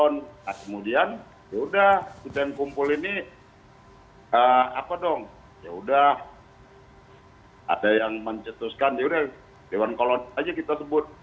nah kemudian yaudah kita yang kumpul ini apa dong yaudah ada yang mencetuskan yaudah dewan kolonel saja kita sebut